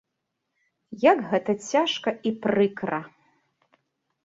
Як гэта цяжка і прыкра!